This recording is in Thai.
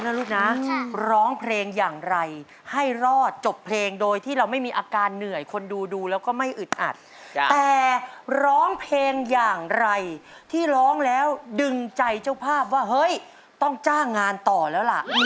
เจ้าภาพที่เขาจ้างเราแต่ว่าเขาต้องชอบเรา